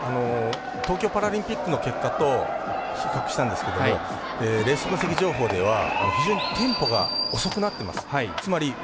東京パラリンピックの結果と比較したんですけれどもレース分析情報では、非常にテンポが遅くなってます。